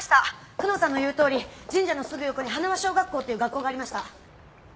久能さんの言うとおり神社のすぐ横に花輪小学校っていう学校がありました。